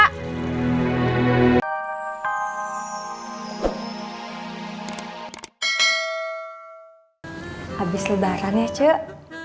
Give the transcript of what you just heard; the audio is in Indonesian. habis lebaran ya cek